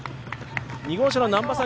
２号車の南波さん